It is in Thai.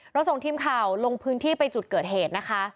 ส่งทีมข่าวลงพื้นที่ไปจุดเกิดเหตุนะคะ